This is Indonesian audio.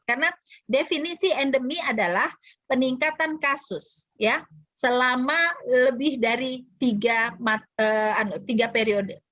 karena definisi endemi adalah peningkatan kasus selama lebih dari tiga periode